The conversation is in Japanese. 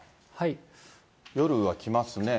夜は来ますね。